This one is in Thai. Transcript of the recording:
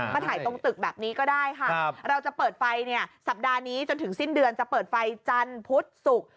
มาถ่ายตรงตึกแบบนี้ก็ได้ค่ะเราจะเปิดไฟเนี่ยสัปดาห์นี้จนถึงสิ้นเดือนจะเปิดไฟจันทร์พุธศุกร์